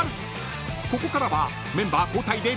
［ここからはメンバー交代で］